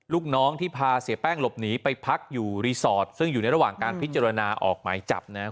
ลูกน้องที่พาเสียแป้งหลบหนีไปพักอยู่รีสอร์ทซึ่งอยู่ในระหว่างการพิจารณาออกหมายจับนะครับ